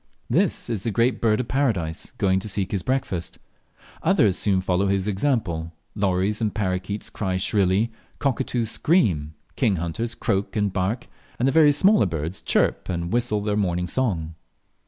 This is the Great Bird of Paradise going to seek his breakfast. Others soon follow his example; lories and parroquets cry shrilly, cockatoos scream, king hunters croak and bark, and the various smaller birds chirp and whistle their morning song.